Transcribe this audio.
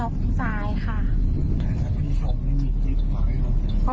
อาทิตย์ชงมันมีฟลิปไหวหรือเปล่า